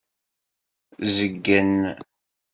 Zeggen.